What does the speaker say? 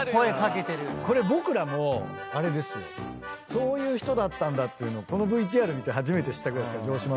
そういう人だったんだってこのＶＴＲ見て初めて知ったぐらいですから。